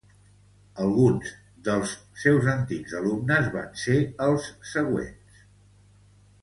Alguns dels seus antics alumnes van ser els següents.